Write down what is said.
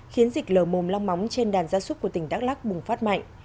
khiến dịch lở mồm long móng trên đàn gia súc của tỉnh đắk lắc bùng phát mạnh